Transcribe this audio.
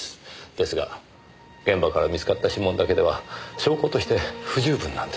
ですが現場から見つかった指紋だけでは証拠として不十分なんです。